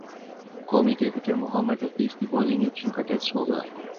قومی کرکٹر محمد حفیظ کے bowling action کا ٹیسٹ ہو گا